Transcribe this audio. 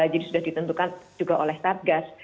jadi sudah ditentukan juga oleh satgas